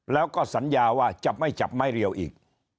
แล้วก็สัญญาว่าจะไม่จับไม้เรียวอีก